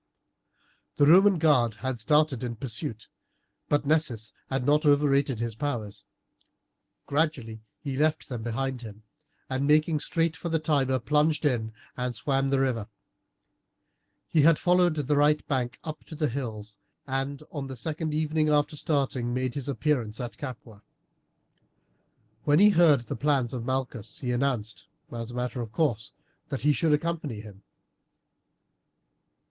The Roman guard had started in pursuit, but Nessus had not overrated his powers. Gradually he left them behind him, and, making straight for the Tiber, plunged in and swam the river. He had followed the right bank up to the hills, and on the second evening after starting made his appearance at Capua. When he heard the plans of Malchus he announced, as a matter of course, that he should accompany him.